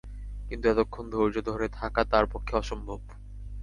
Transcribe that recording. কিন্তু এতক্ষণ ধৈর্য ধরে থাকা তাঁর পক্ষে অসম্ভব।